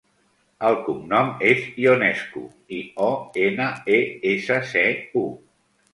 El cognom és Ionescu: i, o, ena, e, essa, ce, u.